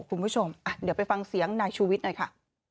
คุณผู้ชมเดี๋ยวไปฟังเสียงนายชูวิทย์หน่อยค่ะ